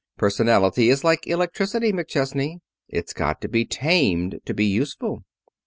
Personality is like electricity, McChesney. It's got to be tamed to be useful."